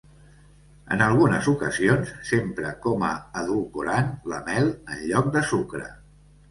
En algunes ocasions s'empra com a edulcorant la mel en lloc de sucre.